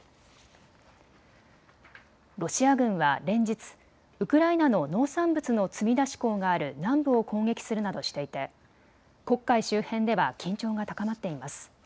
ロシア軍は連日、ウクライナの農産物の積み出し港がある南部を攻撃するなどしていて黒海周辺では緊張が高まっています。